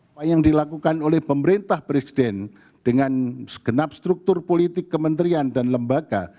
apa yang dilakukan oleh pemerintah presiden dengan segenap struktur politik kementerian dan lembaga